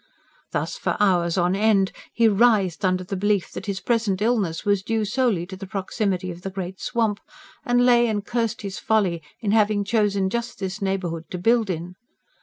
Thus, for hours on end he writhed under the belief that his present illness was due solely to the proximity of the Great Swamp, and lay and cursed his folly in having chosen just this neighbourhood to build in.